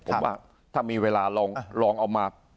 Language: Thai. ผมว่าถ้ามีเวลาลองเอามา